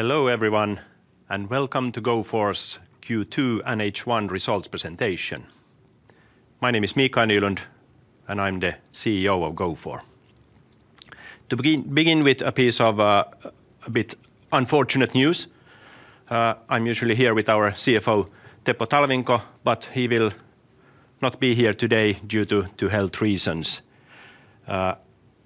Hello, everyone, and welcome to Gofore's Q2 and H1 results presentation. My name is Mika Nylund, and I'm the CEO of Gofore. To begin with a piece of a bit unfortunate news, I'm usually here with our CFO, Teppo Talvinko, but he will not be here today due to health reasons.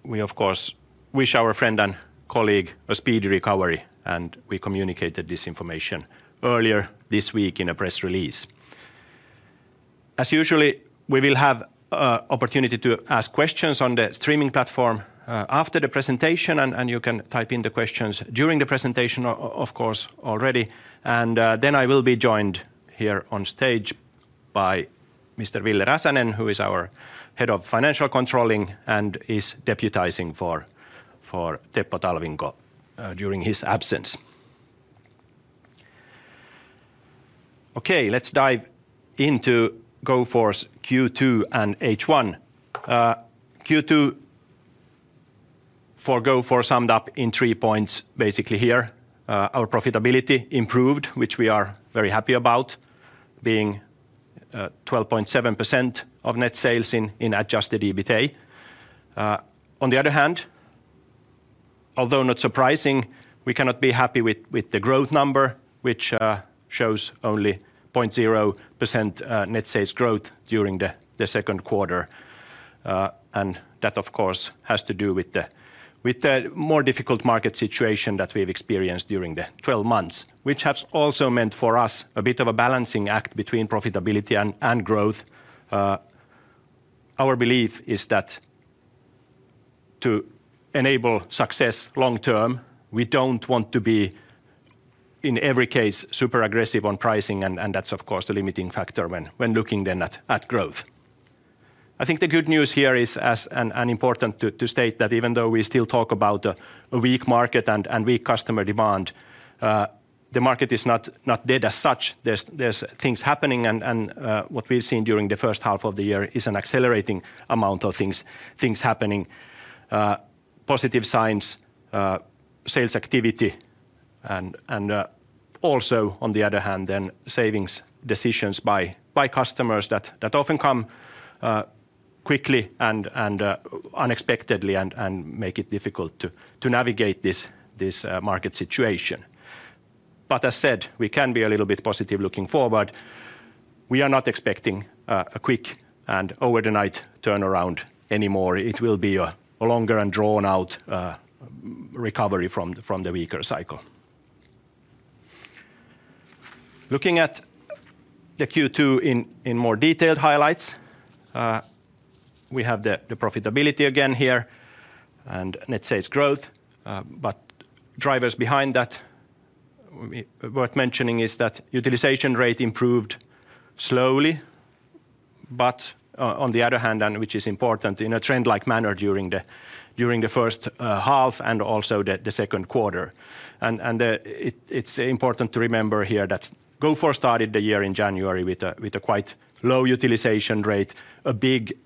We, of course, wish our friend and colleague a speedy recovery, and we communicated this information earlier this week in a press release. As usual, we will have opportunity to ask questions on the streaming platform after the presentation, and you can type in the questions during the presentation, of course, already. Then I will be joined here on stage by Mr. Ville Räsänen, who is our Head of Financial Controlling and is deputizing for Teppo Talvinko during his absence. Okay, let's dive into Gofore's Q2 and H1. Q2 for Gofore summed up in 3 points basically here. Our profitability improved, which we are very happy about, being 12.7% of net sales in adjusted EBITA. On the other hand, although not surprising, we cannot be happy with the growth number, which shows only 0% net sales growth during the second quarter. And that, of course, has to do with the more difficult market situation that we've experienced during the 12 months, which has also meant for us a bit of a balancing act between profitability and growth. Our belief is that to enable success long term, we don't want to be, in every case, super aggressive on pricing, and that's of course the limiting factor when looking then at growth. I think the good news here is, and important to state that even though we still talk about a weak market and weak customer demand, the market is not dead as such. There's things happening, and what we've seen during the first half of the year is an accelerating amount of things happening. Positive signs, sales activity and also, on the other hand, savings decisions by customers that often come quickly and unexpectedly and make it difficult to navigate this market situation. But as said, we can be a little bit positive looking forward. We are not expecting a quick and overnight turnaround anymore. It will be a longer and drawn-out recovery from the weaker cycle. Looking at the Q2 in more detailed highlights, we have the profitability again here and net sales growth, but drivers behind that worth mentioning is that utilization rate improved slowly, but on the other hand, and which is important, in a trend-like manner during the first half and also the second quarter. It is important to remember here that Gofore started the year in January with a quite low utilization rate, a big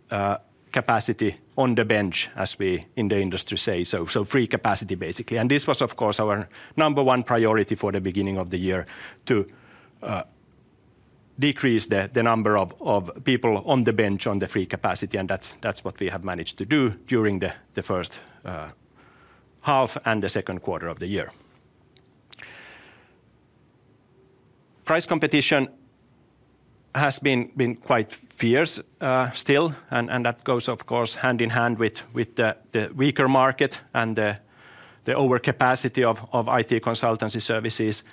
capacity on the bench, as we in the industry say. So free capacity, basically. This was, of course, our number 1 priority for the beginning of the year: to decrease the number of people on the bench, on the free capacity, and that's what we have managed to do during the first half and the second quarter of the year. Price competition has been quite fierce, still, and that goes, of course, hand in hand with the weaker market and the overcapacity of IT consultancy services.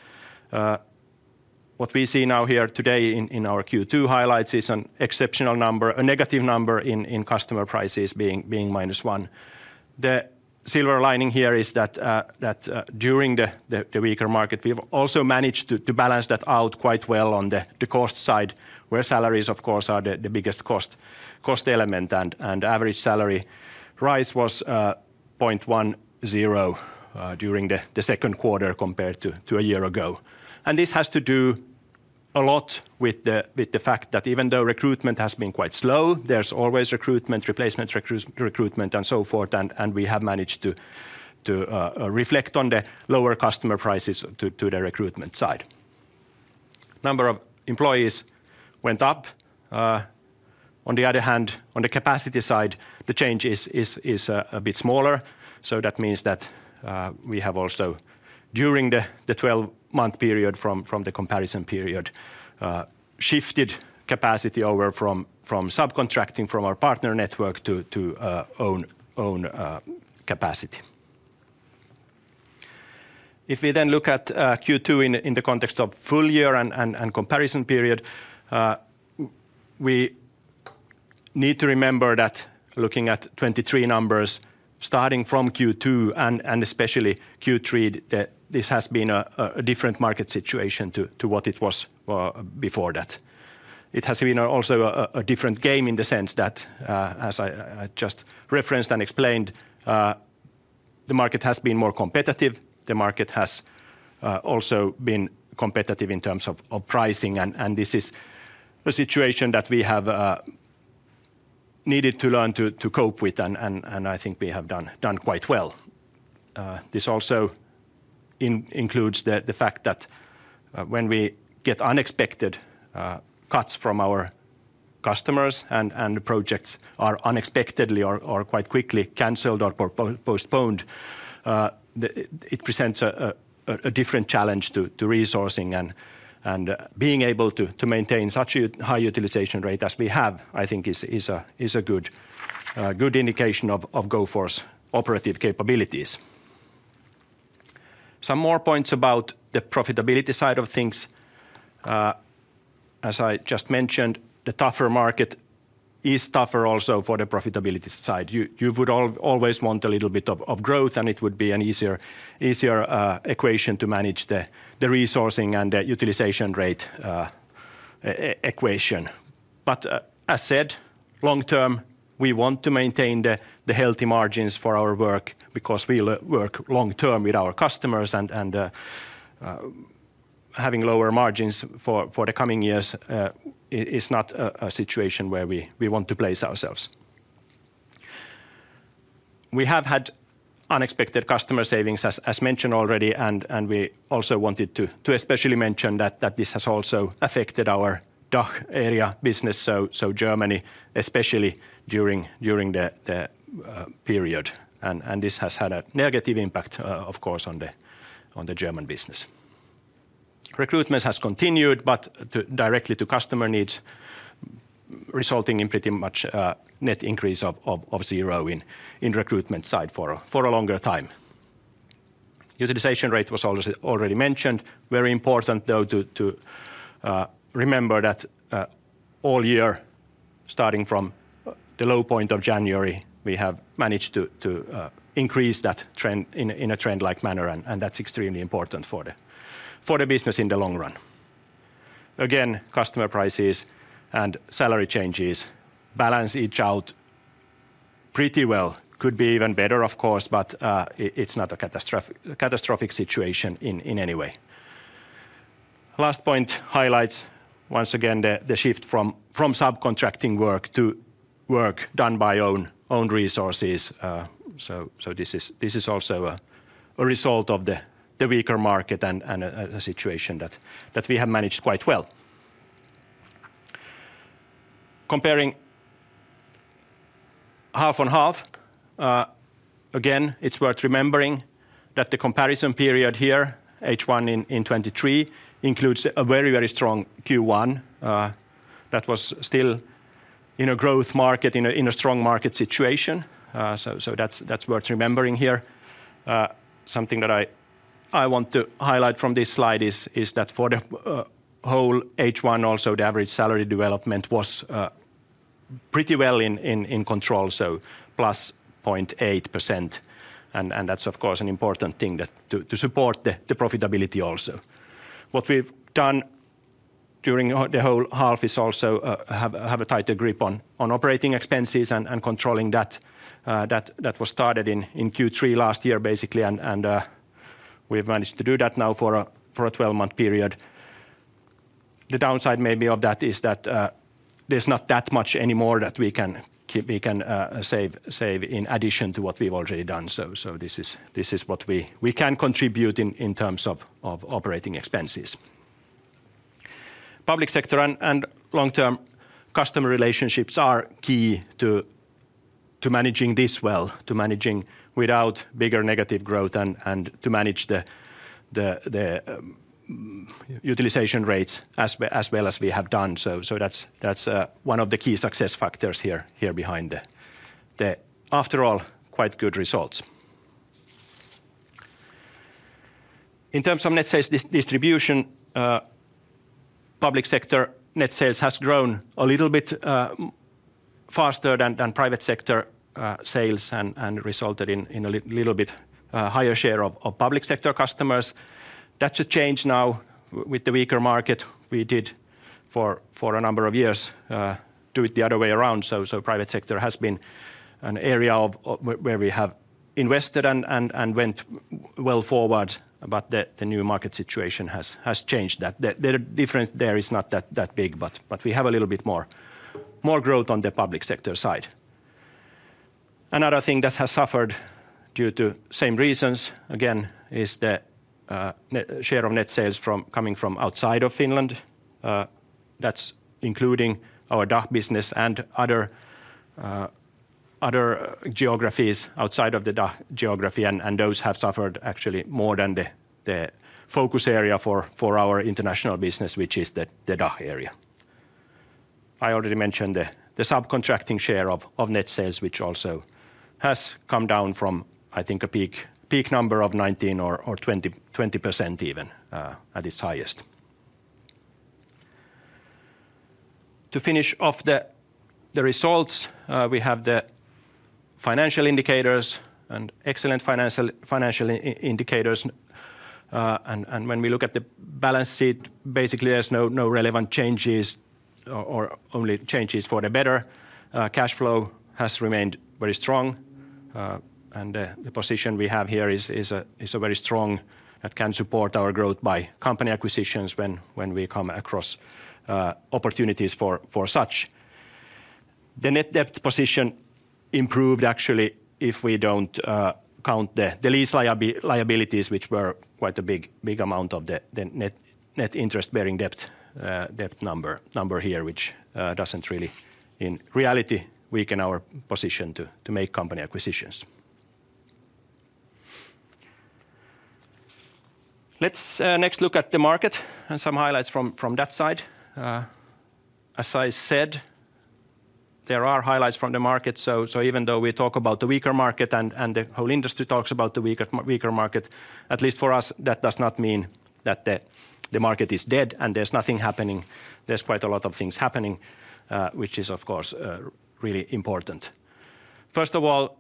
What we see now here today in our Q2 highlights is an exceptional number - a negative number in customer prices being -1. The silver lining here is that during the weaker market, we've also managed to balance that out quite well on the cost side, where salaries, of course, are the biggest cost element. Average salary rise was 0.10 during the second quarter compared to a year ago. And this has to do a lot with the fact that even though recruitment has been quite slow, there's always recruitment, replacement recruitment, and so forth, and we have managed to reflect on the lower customer prices to the recruitment side. Number of employees went up. On the other hand, on the capacity side, the change is a bit smaller. So that means that we have also, during the twelve-month period from the comparison period, shifted capacity over from subcontracting from our partner network to own capacity. If we then look at Q2 in the context of full year and comparison period, we need to remember that looking at 2023 numbers, starting from Q2 and especially Q3, this has been a different market situation to what it was before that. It has been also a different game in the sense that, as I just referenced and explained, the market has been more competitive. The market has also been competitive in terms of pricing, and this is a situation that we have... needed to learn to cope with, and I think we have done quite well. This also includes the fact that, when we get unexpected cuts from our customers and the projects are unexpectedly or quite quickly canceled or postponed, it presents a different challenge to resourcing and being able to maintain such high utilization rate as we have, I think is a good indication of Gofore's operative capabilities. Some more points about the profitability side of things. As I just mentioned, the tougher market is tougher also for the profitability side. You would always want a little bit of growth, and it would be an easier equation to manage the resourcing and the utilization rate equation. But as said, long term, we want to maintain the healthy margins for our work because we work long term with our customers, and having lower margins for the coming years is not a situation where we want to place ourselves. We have had unexpected customer savings, as mentioned already, and we also wanted to especially mention that this has also affected our DACH area business, so Germany, especially during the period. And this has had a negative impact, of course, on the German business. Recruitment has continued but directly to customer needs, resulting in pretty much net increase of zero in recruitment side for a longer time. Utilization rate was also already mentioned. Very important though to remember that all year, starting from the low point of January, we have managed to increase that trend in a trend-like manner, and that's extremely important for the business in the long run. Again, customer prices and salary changes balance each out pretty well. Could be even better, of course, but it's not a catastrophic situation in any way. Last point highlights once again the shift from subcontracting work to work done by own resources. So this is also a result of the weaker market and a situation that we have managed quite well. Comparing half on half, again, it's worth remembering that the comparison period here, H1 in 2023, includes a very, very strong Q1, that was still in a growth market, in a strong market situation. So that's worth remembering here. Something that I want to highlight from this slide is that for the whole H1 also, the average salary development was pretty well in control, so +0.8%. And that's of course an important thing that to support the profitability also. What we've done during the whole half is also have a tighter grip on operating expenses and controlling that. That was started in Q3 last year, basically, and we've managed to do that now for a 12-month period. The downside may be of that is that there's not that much anymore that we can save in addition to what we've already done. So this is what we can contribute in terms of operating expenses. Public sector and long-term customer relationships are key to managing this well, to managing without bigger negative growth and to manage the utilization rates as well as we have done. So that's one of the key success factors here behind the after all quite good results. In terms of net sales distribution, public sector net sales has grown a little bit faster than private sector sales and resulted in a little bit higher share of public sector customers. That's a change now with the weaker market. We did for a number of years do it the other way around, so private sector has been an area of where we have invested and went well forward, but the new market situation has changed that. The difference there is not that big, but we have a little bit more growth on the public sector side. Another thing that has suffered due to same reasons, again, is the net share of net sales from coming from outside of Finland. That's including our DACH business and other other geographies outside of the DACH geography, and those have suffered actually more than the focus area for our international business, which is the DACH area. I already mentioned the subcontracting share of net sales, which also has come down from, I think, a peak number of 19 or 20, 20% even, at its highest. To finish off the results, we have the financial indicators and excellent financial indicators, and when we look at the balance sheet, basically, there's no relevant changes or only changes for the better. Cash flow has remained very strong... And the position we have here is a very strong that can support our growth by company acquisitions when we come across opportunities for such. The net debt position improved actually if we don't count the lease liabilities, which were quite a big amount of the net interest-bearing debt number here, which doesn't really in reality weaken our position to make company acquisitions. Let's next look at the market and some highlights from that side. As I said, there are highlights from the market, so even though we talk about the weaker market and the whole industry talks about the weaker market, at least for us, that does not mean that the market is dead, and there's nothing happening. There's quite a lot of things happening, which is of course, really important. First of all,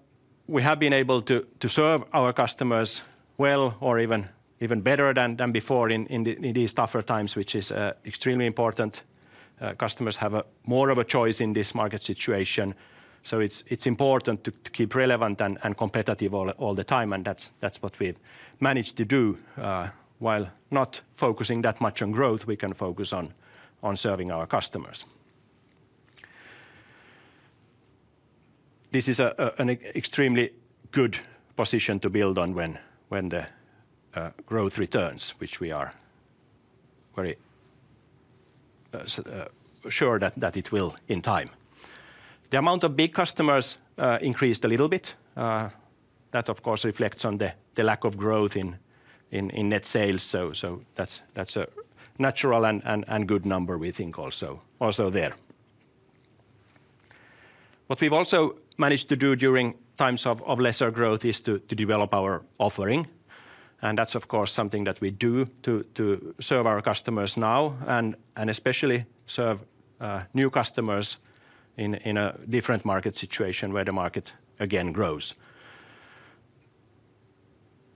we have been able to serve our customers well or even better than before in these tougher times, which is extremely important. Customers have a more of a choice in this market situation, so it's important to keep relevant and competitive all the time, and that's what we've managed to do. While not focusing that much on growth, we can focus on serving our customers. This is an extremely good position to build on when the growth returns, which we are very sure that it will in time. The amount of big customers increased a little bit. That of course reflects on the lack of growth in net sales, so that's a natural and good number we think also there. What we've also managed to do during times of lesser growth is to develop our offering, and that's of course something that we do to serve our customers now and especially serve new customers in a different market situation where the market again grows.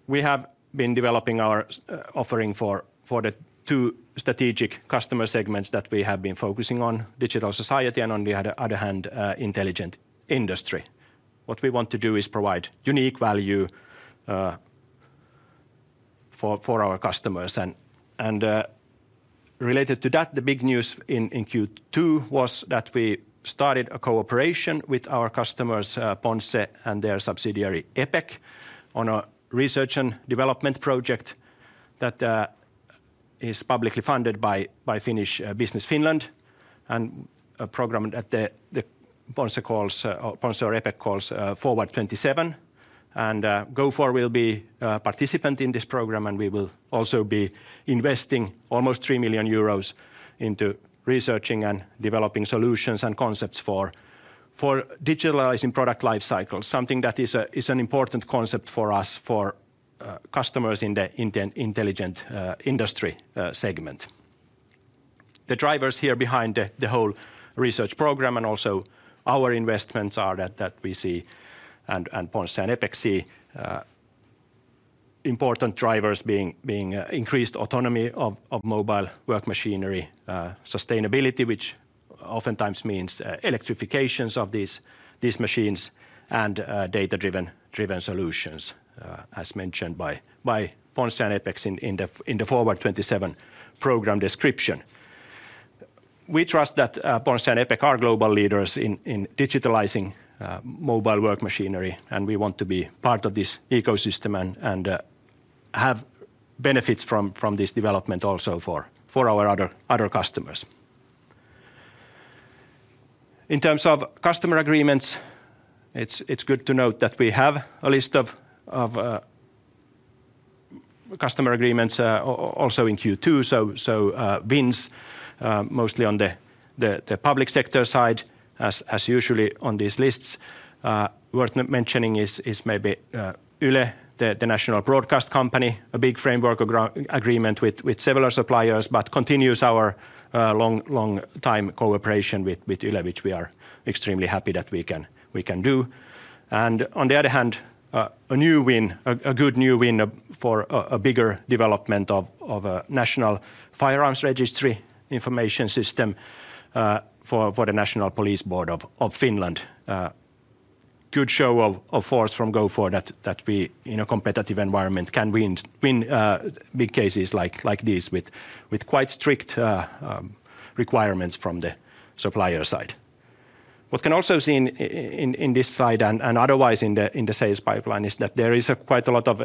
We have been developing our offering for the two strategic customer segments that we have been focusing on: Digital Society and on the other hand, Intelligent Industry. What we want to do is provide unique value, for our customers, and related to that, the big news in Q2 was that we started a cooperation with our customers, Ponsse and their subsidiary Epec, on a research and development project that is publicly funded by Finnish Business Finland, and a program that the Ponsse calls, or Ponsse or Epec calls, FORWARD'27. Gofore will be a participant in this program, and we will also be investing almost 3 million euros into researching and developing solutions and concepts for digitalizing product life cycles, something that is an important concept for us, for customers in the Intelligent Industry segment. The drivers here behind the whole research program and also our investments are that we see and Ponsse and Epec see important drivers being increased autonomy of mobile work machinery, sustainability, which oftentimes means electrifications of these machines, and data-driven solutions, as mentioned by Ponsse and Epec in the FORWARD'27 program description. We trust that Ponsse and Epec are global leaders in digitalizing mobile work machinery, and we want to be part of this ecosystem and have benefits from this development also for our other customers. In terms of customer agreements, it's good to note that we have a list of customer agreements also in Q2, so wins, mostly on the public sector side, as usually on these lists. Worth mentioning is maybe Yle, the national broadcast company, a big framework agreement with several suppliers, but continues our long time cooperation with Yle, which we are extremely happy that we can do. And on the other hand, a new win, a good new win for a bigger development of a national firearms registry information system for the National Police Board of Finland. Good show of force from Gofore that we, in a competitive environment, can win big cases like this with quite strict requirements from the supplier side. What can also be seen in this slide and otherwise in the sales pipeline is that there is quite a lot of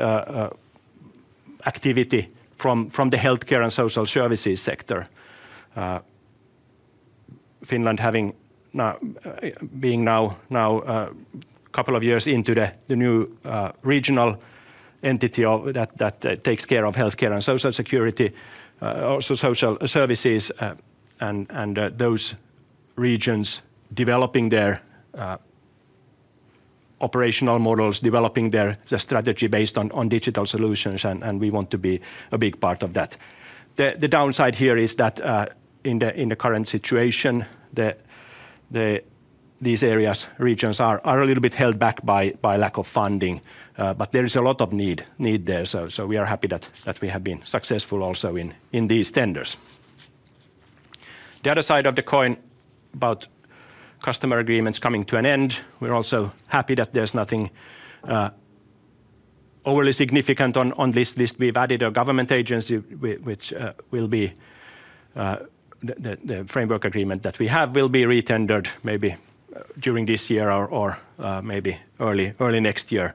activity from the healthcare and social services sector. Finland having now been a couple of years into the new regional entity that takes care of healthcare and social security, also social services, and those regions developing their operational models, developing their strategy based on digital solutions, and we want to be a big part of that. The downside here is that in the current situation, these areas, regions are a little bit held back by lack of funding, but there is a lot of need there. So we are happy that we have been successful also in these tenders.... The other side of the coin about customer agreements coming to an end, we're also happy that there's nothing overly significant on this list. We've added a government agency, which will be the framework agreement that we have will be re-tendered maybe during this year or maybe early next year.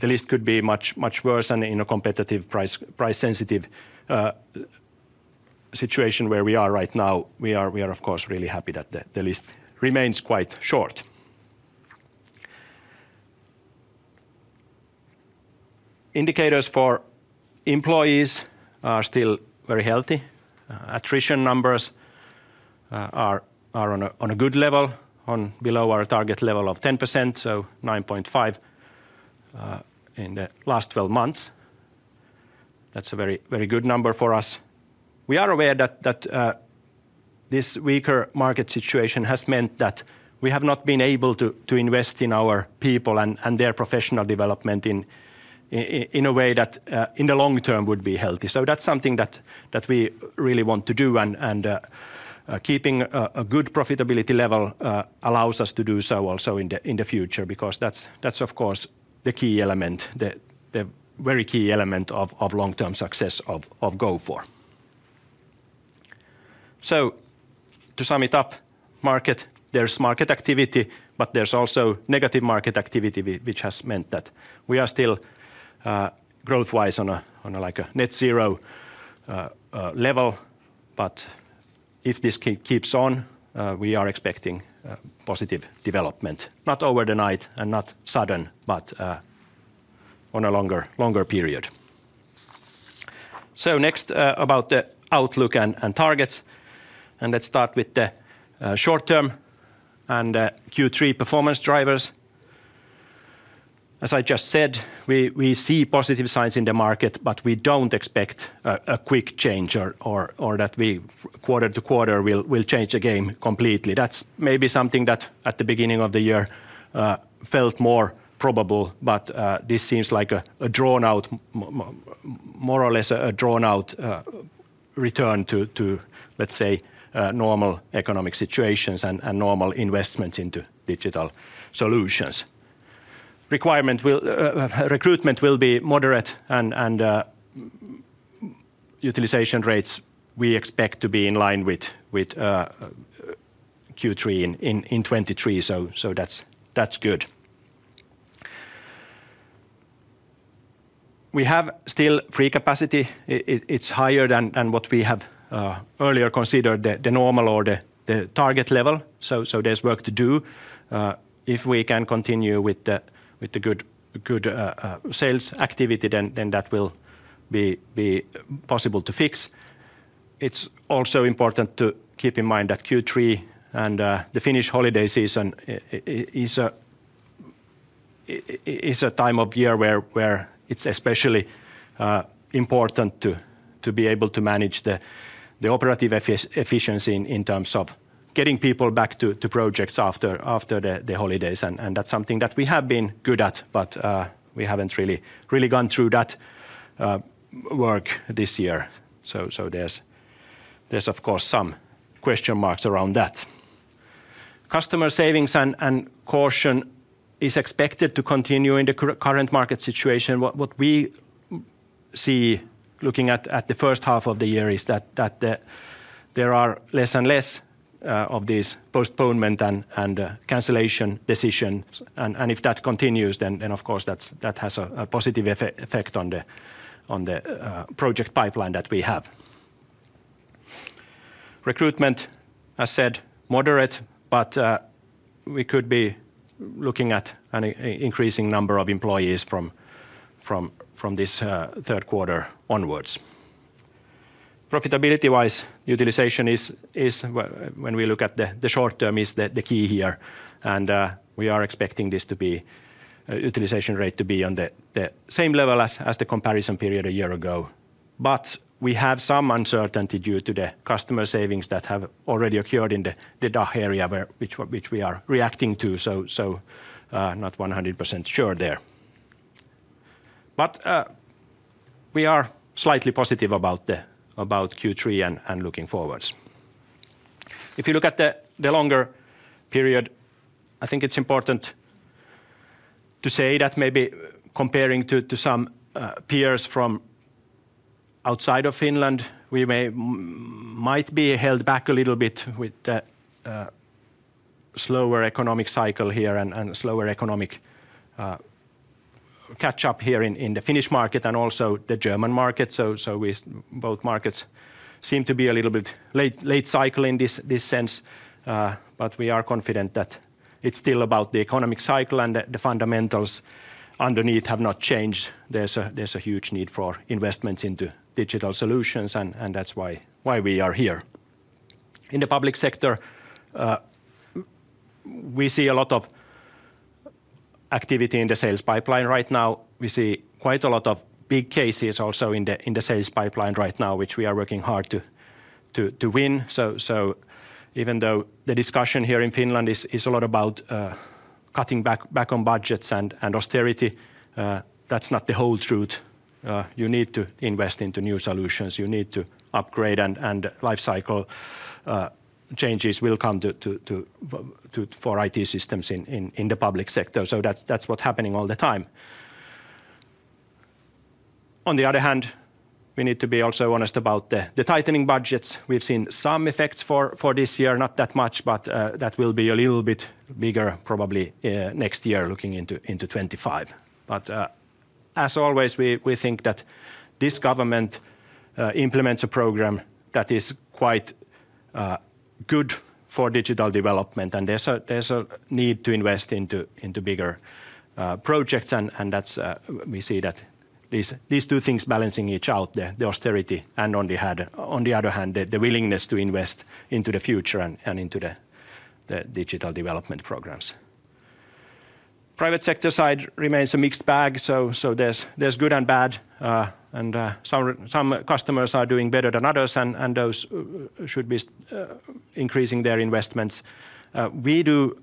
The list could be much worse than in a competitive price, price-sensitive situation where we are right now. We are, of course, really happy that the list remains quite short. Indicators for employees are still very healthy. Attrition numbers are on a good level, below our target level of 10%, so 9.5% in the last 12 months. That's a very, very good number for us. We are aware that this weaker market situation has meant that we have not been able to invest in our people and their professional development in a way that in the long term would be healthy. So that's something that we really want to do, and keeping a good profitability level allows us to do so also in the future, because that's of course the key element, the very key element of long-term success of Gofore. So to sum it up, market, there's market activity, but there's also negative market activity, which has meant that we are still growth-wise on a like a net zero level. But if this keeps on, we are expecting positive development. Not overnight and not sudden, but on a longer period. So next, about the outlook and targets, and let's start with the short term and Q3 performance drivers. As I just said, we see positive signs in the market, but we don't expect a quick change or that we quarter to quarter will change the game completely. That's maybe something that at the beginning of the year felt more probable, but this seems like a drawn-out, more or less a drawn-out return to, let's say, normal economic situations and normal investments into digital solutions. Recruitment will be moderate and utilization rates we expect to be in line with Q3 in 2023. So that's good. We have still free capacity. It's higher than what we have earlier considered the normal or the target level, so there's work to do. If we can continue with the good sales activity, then that will be possible to fix. It's also important to keep in mind that Q3 and the Finnish holiday season is a time of year where it's especially important to be able to manage the operative efficiency in terms of getting people back to projects after the holidays. And that's something that we have been good at, but we haven't really gone through that work this year. So there's, of course, some question marks around that. Customer savings and caution is expected to continue in the current market situation. What we see looking at the first half of the year is that there are less and less of these postponement and cancellation decisions, and if that continues, then of course, that has a positive effect on the project pipeline that we have. Recruitment, as said, moderate, but we could be looking at an increasing number of employees from this third quarter onwards. Profitability-wise, utilization is, when we look at the short term, the key here, and we are expecting this to be... utilization rate to be on the same level as the comparison period a year ago. But we have some uncertainty due to the customer savings that have already occurred in the DACH area, where we are reacting to. So, not 100% sure there. But, we are slightly positive about Q3 and looking forwards. If you look at the longer period, I think it's important to say that maybe comparing to some peers from outside of Finland, we might be held back a little bit with the slower economic cycle here and slower economic catch-up here in the Finnish market and also the German market. So, we both markets seem to be a little bit late cycle in this sense, but we are confident that it's still about the economic cycle and the fundamentals underneath have not changed. There's a huge need for investments into digital solutions, and that's why we are here. In the public sector, we see a lot of activity in the sales pipeline right now. We see quite a lot of big cases also in the sales pipeline right now, which we are working hard to win. So even though the discussion here in Finland is a lot about cutting back on budgets and austerity, that's not the whole truth. You need to invest into new solutions. You need to upgrade, and life cycle changes will come to the IT systems in the public sector. So that's what's happening all the time. On the other hand, we need to be also honest about the tightening budgets. We've seen some effects for this year, not that much, but that will be a little bit bigger probably next year, looking into 2025. But as always, we think that this government implements a program that is quite good for digital development, and there's a need to invest into bigger projects, and that's we see that these two things balancing each out, the austerity, and on the other hand, the willingness to invest into the future and into the digital development programs. Private sector side remains a mixed bag, so there's good and bad. And some customers are doing better than others, and those should be increasing their investments. We do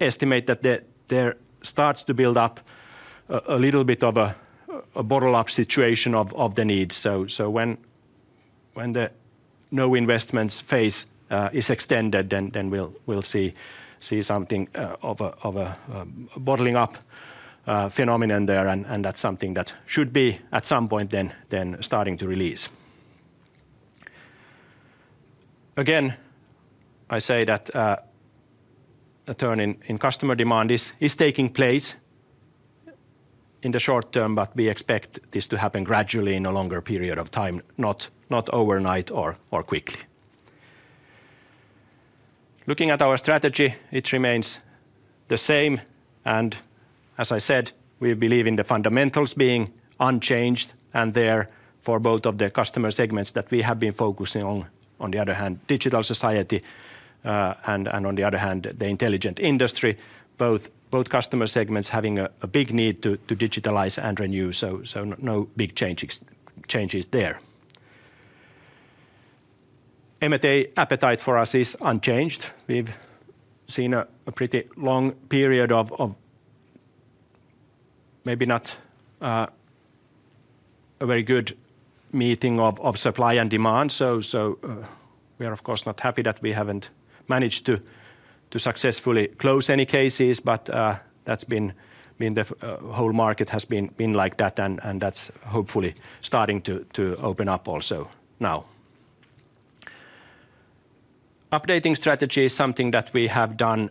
estimate that there starts to build up a little bit of a bottleneck situation of the needs. So when the no investments phase is extended, then we'll see something of a bottlenecking phenomenon there, and that's something that should be at some point then starting to release. Again, I say that a turn in customer demand is taking place in the short term, but we expect this to happen gradually in a longer period of time, not overnight or quickly. Looking at our strategy, it remains the same, and as I said, we believe in the fundamentals being unchanged, and they're for both of the customer segments that we have been focusing on. On the other hand, Digital Society, and on the other hand, the Intelligent Industry, both customer segments having a big need to digitalize and renew, so no big changes there. M&A appetite for us is unchanged. We've seen a pretty long period of maybe not a very good meeting of supply and demand, so we are, of course, not happy that we haven't managed to successfully close any cases, but that's been the whole market has been like that, and that's hopefully starting to open up also now. Updating strategy is something that we have done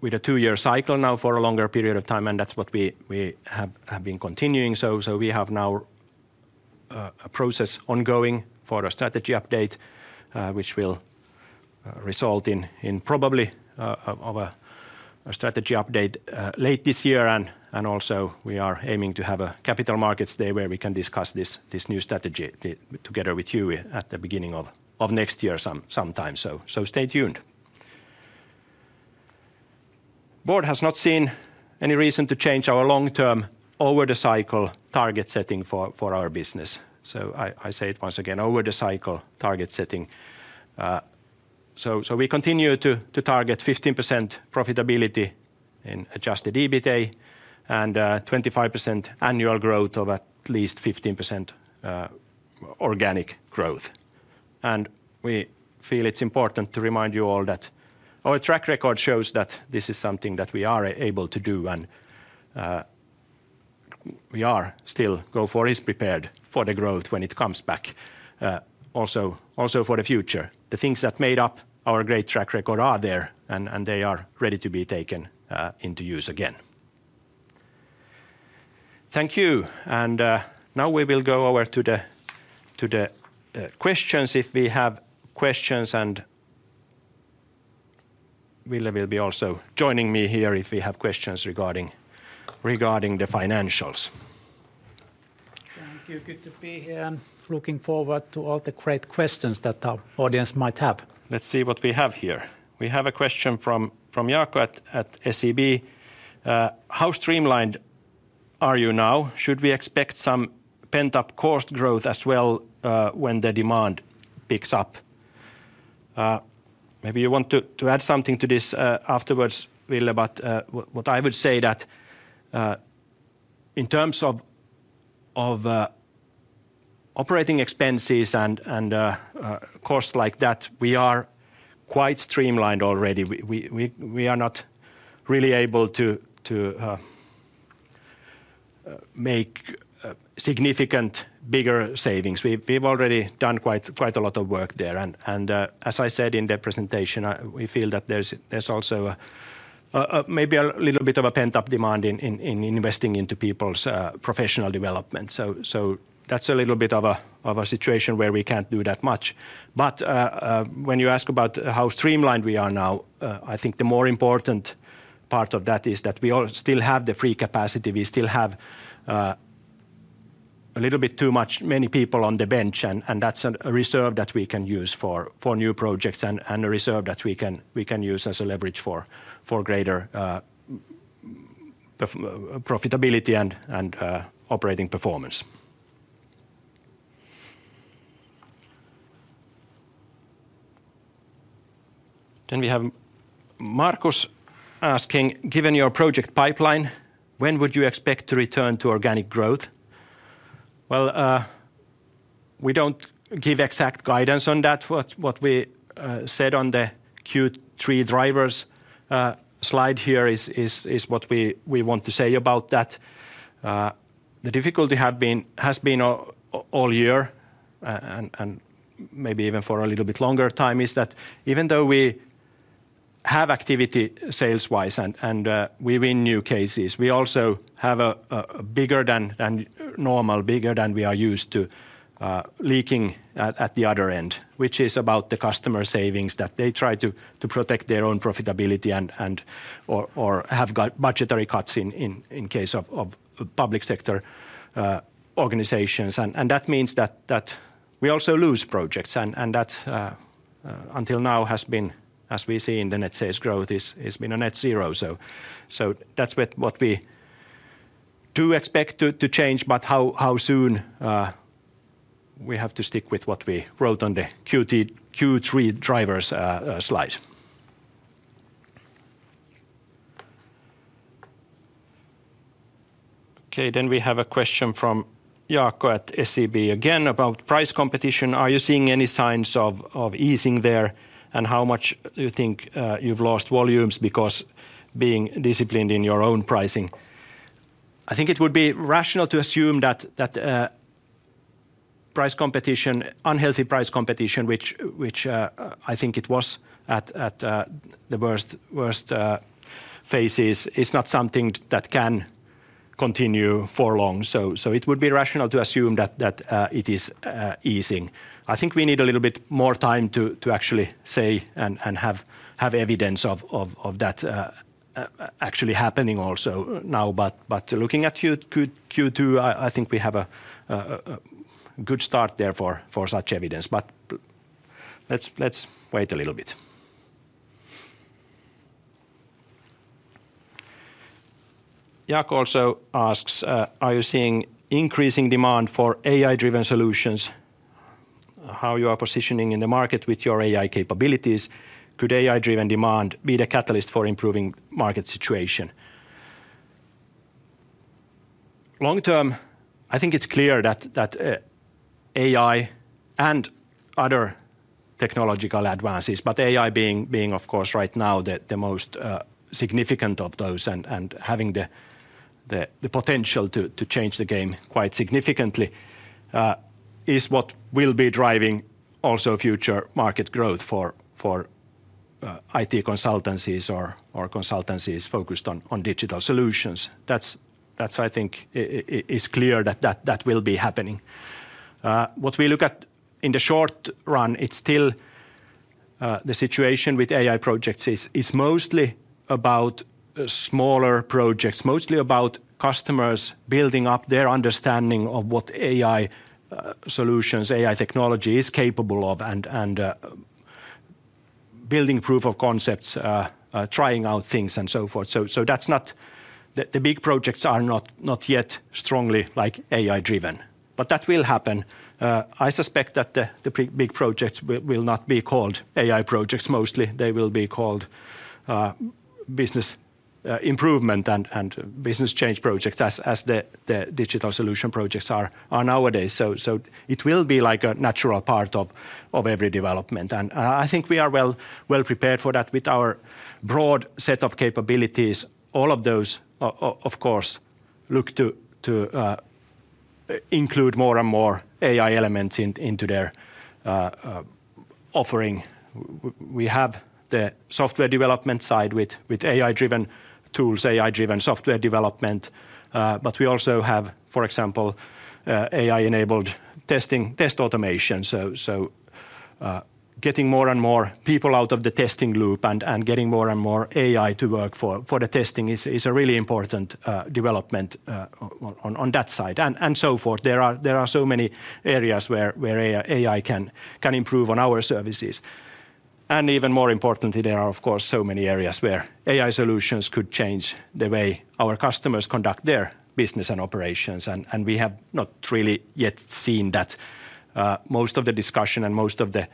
with a two-year cycle now for a longer period of time, and that's what we have been continuing. So, so we have now a process ongoing for a strategy update, which will result in, in probably, of, of a, a strategy update late this year, and, and also we are aiming to have a capital markets day where we can discuss this, this new strategy together with you at the beginning of, of next year, sometime. So, so stay tuned. Board has not seen any reason to change our long-term, over the cycle, target setting for our business. So I, I say it once again, over the cycle, target setting. So, so we continue to, to target 15% profitability in Adjusted EBITA and, twenty-five percent annual growth of at least 15%, organic growth. We feel it's important to remind you all that our track record shows that this is something that we are able to do, and we are still... Gofore is prepared for the growth when it comes back, also, also for the future. The things that made up our great track record are there, and they are ready to be taken into use again. Thank you, and now we will go over to the questions, if we have questions, and Ville will be also joining me here if we have questions regarding the financials. Thank you. Good to be here, and looking forward to all the great questions that our audience might have. Let's see what we have here. We have a question from Jaakko at SEB. "How streamlined are you now? Should we expect some pent-up cost growth as well, when the demand picks up?" Maybe you want to add something to this afterwards, Ville, but what I would say that in terms of operating expenses and costs like that, we are quite streamlined already. We are not really able to make significant bigger savings. We've already done quite a lot of work there, and as I said in the presentation, we feel that there's also a maybe a little bit of a pent-up demand in investing into people's professional development. So that's a little bit of a situation where we can't do that much. But when you ask about how streamlined we are now, I think the more important part of that is that we all still have the free capacity. We still have a little bit too much, many people on the bench, and that's a reserve that we can use for new projects and a reserve that we can use as a leverage for greater profitability and operating performance. Then we have Marcus asking: Given your project pipeline, when would you expect to return to organic growth? Well, we don't give exact guidance on that, but what we said on the Q3 drivers slide here is what we want to say about that. The difficulty has been all year and maybe even for a little bit longer time, is that even though we have activity sales-wise and we win new cases, we also have a bigger than normal, bigger than we are used to, leaking at the other end. Which is about the customer savings, that they try to protect their own profitability and or have got budgetary cuts in case of public sector organizations. And that means that we also lose projects, and that until now has been, as we see in the net sales growth, has been a net zero. So that's what we do expect to change, but how soon, we have to stick with what we wrote on the Q3 drivers slide. Okay, then we have a question from Jaakko at SEB, again, about price competition. Are you seeing any signs of easing there, and how much do you think you've lost volumes because being disciplined in your own pricing? I think it would be rational to assume that price competition, unhealthy price competition, which I think it was at the worst phases, is not something that can continue for long. So it would be rational to assume that it is easing. I think we need a little bit more time to actually say and have evidence of that actually happening also now. But looking at Q2, I think we have a good start there for such evidence, but let's wait a little bit. Jaakko also asks, "Are you seeing increasing demand for AI-driven solutions? How you are positioning in the market with your AI capabilities? Could AI-driven demand be the catalyst for improving market situation?" Long term, I think it's clear that AI and other technological advances, but AI being, of course, right now, the most significant of those and having the potential to change the game quite significantly is what will be driving also future market growth for IT consultancies or consultancies focused on digital solutions. That's, I think, is clear that that will be happening. What we look at in the short run, it's still the situation with AI projects is mostly about smaller projects. Mostly about customers building up their understanding of what AI solutions, AI technology is capable of, and building proof of concepts, trying out things, and so forth. So that's not... The big projects are not yet strongly, like, AI-driven. But that will happen. I suspect that the big projects will not be called AI projects mostly, they will be called business improvement and business change projects as the digital solution projects are nowadays. So it will be like a natural part of every development, and I think we are well prepared for that with our broad set of capabilities. All of those of course look to include more and more AI elements into their offering. We have the software development side with AI-driven tools, AI-driven software development, but we also have, for example, AI-enabled testing, test automation. So, getting more and more people out of the testing loop and getting more and more AI to work for the testing is a really important development on that side and so forth. There are so many areas where AI can improve on our services. And even more importantly, there are, of course, so many areas where AI solutions could change the way our customers conduct their business and operations, and we have not really yet seen that. Most of the discussion and most of the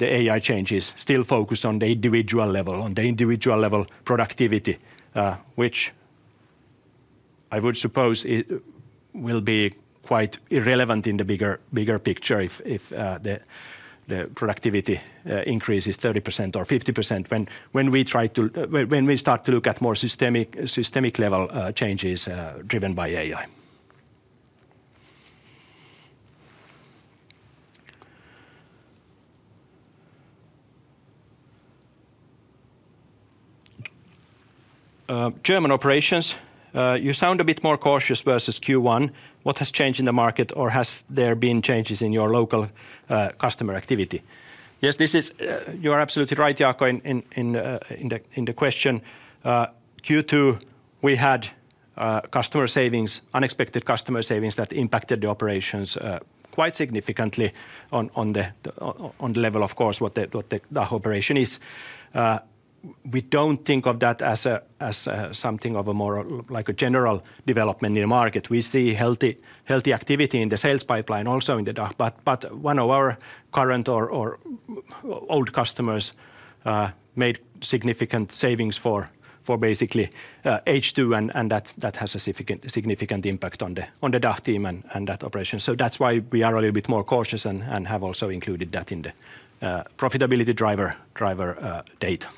AI changes still focus on the individual level, on the individual level productivity, which I would suppose will be quite irrelevant in the bigger picture if the productivity increase is 30% or 50%, when we start to look at more systemic level changes driven by AI. German operations, you sound a bit more cautious versus Q1. What has changed in the market, or has there been changes in your local customer activity? Yes, this is, you are absolutely right, Jaakko, in the question. Q2, we had customer savings, unexpected customer savings, that impacted the operations quite significantly on the level, of course, what the whole operation is. We don't think of that as something of a more, like a general development in the market. We see healthy activity in the sales pipeline also in the DACH, but one of our current or old customers made significant savings for basically H2 and that has a significant impact on the DACH team and that operation. So that's why we are a little bit more cautious and have also included that in the profitability driver data.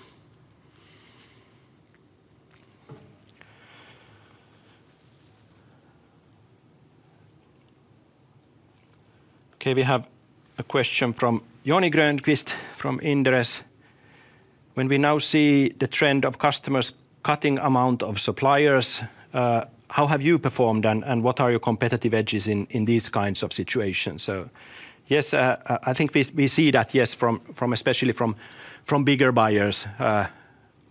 Okay, we have a question from Joni Grönqvist from Inderes. When we now see the trend of customers cutting amount of suppliers, how have you performed and what are your competitive edges in these kinds of situations? So yes, I think we see that, yes, from especially from bigger buyers.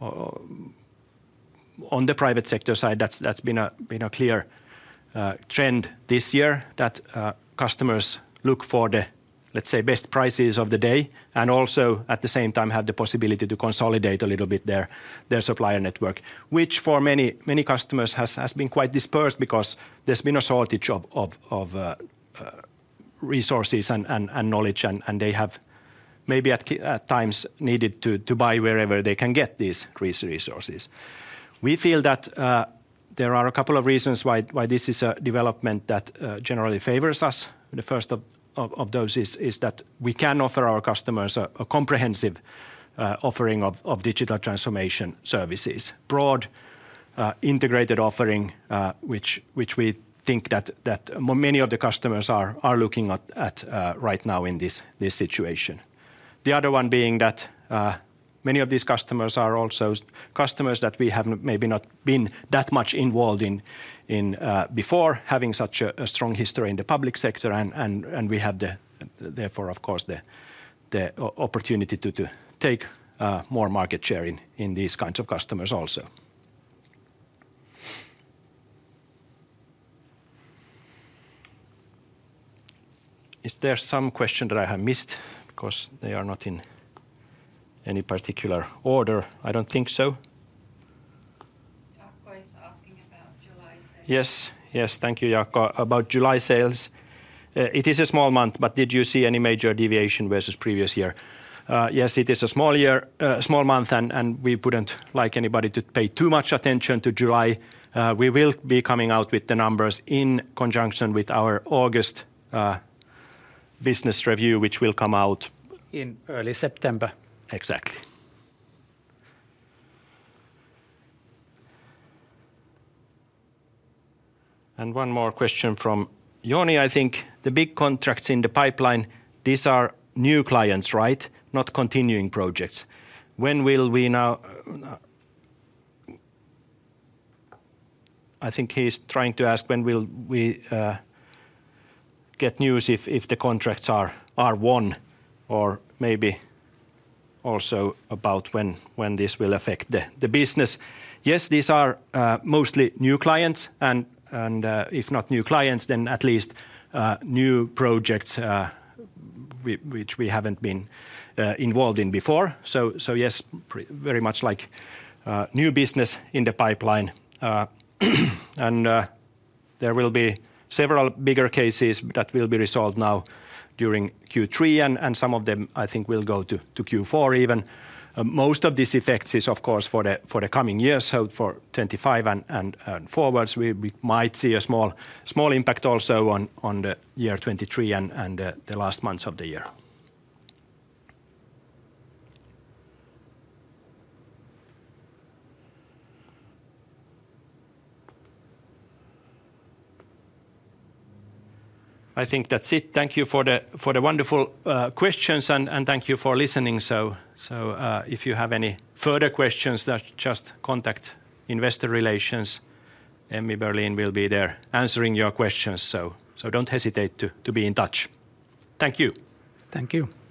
On the private sector side, that's been a clear trend this year that customers look for the, let's say, best prices of the day, and also at the same time have the possibility to consolidate a little bit their supplier network, which for many customers has been quite dispersed because there's been a shortage of resources and knowledge and they have maybe at times needed to buy wherever they can get these resources. We feel that there are a couple of reasons why this is a development that generally favors us. The first of those is that we can offer our customers a comprehensive offering of digital transformation services. Broad integrated offering, which we think that many of the customers are looking at right now in this situation. The other one being that many of these customers are also customers that we have maybe not been that much involved in before having such a strong history in the public sector and we have the therefore, of course, the opportunity to take more market share in these kinds of customers also. Is there some question that I have missed? Because they are not in any particular order. I don't think so. Jaakko is asking about July sales. Yes. Yes, thank you, Jaakko. About July sales, it is a small month, but did you see any major deviation versus previous year? Yes, it is a small month, and we wouldn't like anybody to pay too much attention to July. We will be coming out with the numbers in conjunction with our August business review, which will come out in early September. Exactly. And one more question from Joni, I think. The big contracts in the pipeline, these are new clients, right? Not continuing projects. When will we now? I think he's trying to ask, when will we get news if the contracts are won, or maybe also about when this will affect the business. Yes, these are mostly new clients, and, if not new clients, then at least new projects which we haven't been involved in before. So yes, very much like new business in the pipeline. And there will be several bigger cases that will be resolved now during Q3, and some of them, I think, will go to Q4 even. Most of this effects is, of course, for the coming years, so for 2025 and forwards, we might see a small impact also on the year 2023 and the last months of the year. I think that's it. Thank you for the wonderful questions, and thank you for listening. So if you have any further questions, then just contact investor relations. Emmi Berlin will be there answering your questions, so don't hesitate to be in touch. Thank you! Thank you.